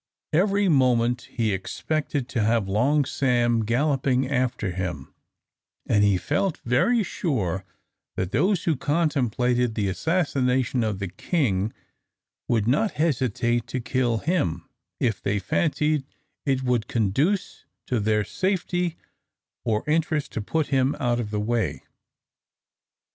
Every moment he expected to have Long Sam galloping after him; and he felt very sure that those who contemplated the assassination of the king would not hesitate to kill him, if they fancied it would conduce to their safety or interest to put him out of the way.